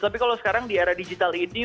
tapi kalau sekarang di era digital ini